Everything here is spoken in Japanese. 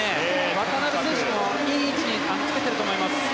渡辺選手もいい位置につけてると思います。